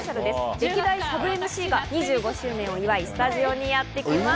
歴代サブＭＣが２５周年を祝いスタジオにやってきます。